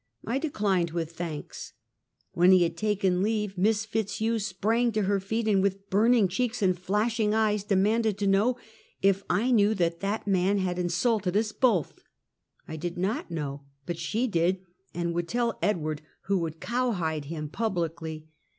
I declined, with thanks. "When he had taken leave, Miss Fitzhugh sprang to her feet, and with burning cheeks and flashing eyes, de manded to know if I knew that that man had insulted us both. I did not know, but she did, and would tell Edward, who should cowhide him publicly.